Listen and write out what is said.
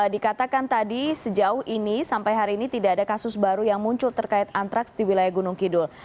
dikatakan tadi sejauh ini sampai hari ini tidak ada kasus baru yang muncul terkait antraks di wilayah gunung kidul